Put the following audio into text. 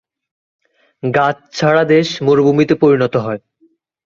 গাছ ছাড়া দেশ মরুভুমিতে পরিণত হয়।